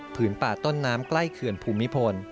ป่าต้นน้ำใกล้เขื่อนภูมิพล